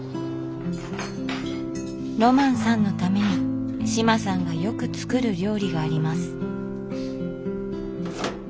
ロマンさんのために志麻さんがよく作る料理があります。